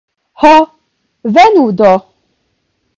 Ho, venu do!